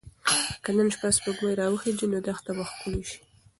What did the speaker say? که نن شپه سپوږمۍ راوخیژي نو دښته به ښکلې شي.